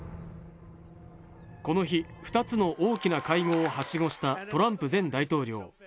この日、２つの大きな会合をはしごしたトランプ前大統領。